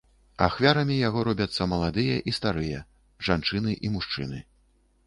Ахвярамі яго робяцца маладыя і старыя, жанчыны і мужчыны.